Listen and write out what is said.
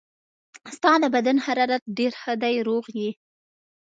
ستا د بدن حرارت ډېر ښه دی، روغ یې.